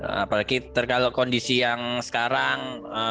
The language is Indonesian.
apalagi kalau kondisi yang sekarang